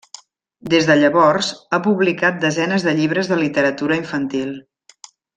Des de llavors, ha publicat desenes de llibres de literatura infantil.